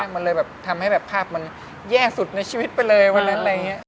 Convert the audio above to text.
มันเลยทำให้ภาพมันแย่สุดในชีวิตไปเลยวันนั้น